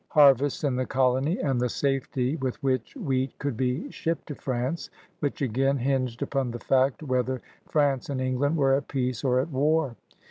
i AGRICULTURE, INDUSTRY, AND TRADE 188 vests in the colony and the safety with which wheat could be shipped to France, which, again, hinged upon the fact whether France and England were at peace or at war.